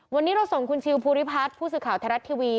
วันนี้เราส่งคุณชิวภูริพัฒน์ผู้สื่อข่าวไทยรัฐทีวี